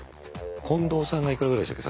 近藤さんがいくらぐらいでしたっけ？